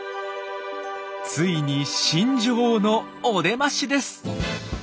ついに新女王のお出ましです！